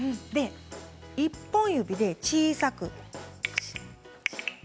１本指で小さく。